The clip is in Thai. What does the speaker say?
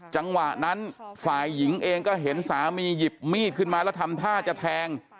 จังหวะนั้นฝ่ายหญิงเองก็เห็นสามีหยิบมีดขึ้นมาแล้วทำท่าจะแทง